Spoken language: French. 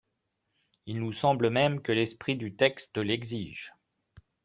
Il nous semble même que l’esprit du texte l’exige.